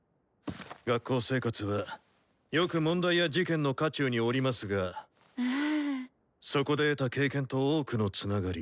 学校生活はよく問題や事件の渦中におりますがそこで得た経験と多くのつながり